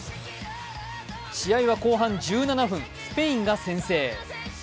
試合は後半１７分、スペインが先制。